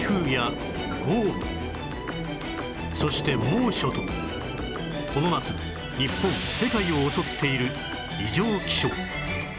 そして猛暑とこの夏日本世界を襲っている異常気象